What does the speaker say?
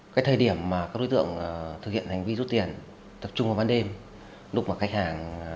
cái thời điểm mà các đối tượng thực hiện hành vi rút tiền tập trung vào ban đêm lúc mà khách hàng